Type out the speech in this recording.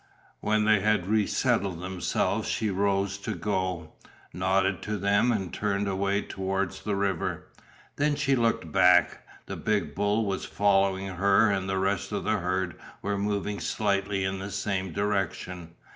When they had re settled themselves she rose to go, nodded to them and turned away towards the river. Then she looked back. The big bull was following her and the rest of the herd were moving slightly in the same direction.